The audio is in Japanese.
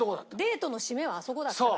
デートの締めはあそこだから。